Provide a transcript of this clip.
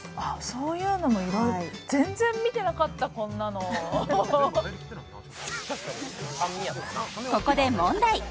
そういうのもいろいろ全然見てなかったこんなのここで問題